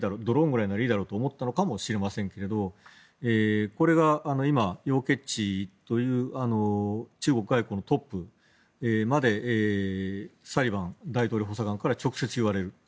ドローンならいいだろうと思ったのかもしれませんけれどこれが今、ヨウ・ケツチという中国外交のトップまでサリバン大統領補佐官から直接言われる。